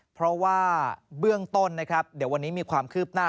เพราะว่าเบื้องต้นนะครับเดี๋ยววันนี้มีความคืบหน้า